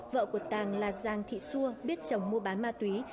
vợ của tàng là giàng thị xua biết chồng mua bán ma túy